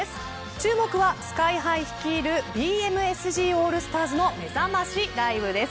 注目はＳＫＹ−ＨＩ率いるＢＭＳＧＡＬＬＳＴＡＲＳのめざましライブです。